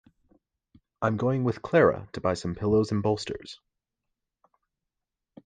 I'm going with Clara to buy some pillows and bolsters.